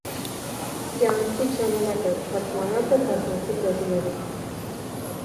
«Կեանքիդ ժամանակը» թարգմանուած է բազմաթիւ լեզուներու։